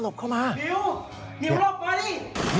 มิวมิวหลบมานี่